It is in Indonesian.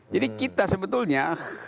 jadi kita sebetulnya